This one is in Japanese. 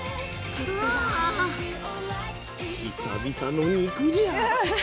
あ久々の肉じゃ！